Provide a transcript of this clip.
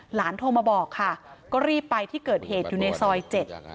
โทรมาบอกค่ะก็รีบไปที่เกิดเหตุอยู่ในซอยเจ็ด